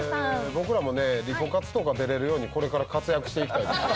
僕らもね『リコカツ』とか出れるようにこれから活躍していきたいですね。